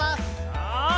よし！